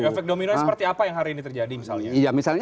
efek dominonya seperti apa yang hari ini terjadi misalnya